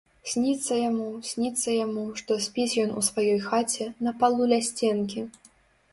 Сніцца яму, сніцца яму, што спіць ён у сваёй хаце, на палу ля сценкі.